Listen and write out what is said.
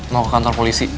mau ke kantor polisi